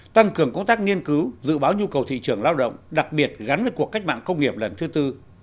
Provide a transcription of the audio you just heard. tăng cường công tác nghiên cứu dự báo nhu cầu thị trường lao động đặc biệt gắn với cuộc cách mạng công nghiệp lần thứ tư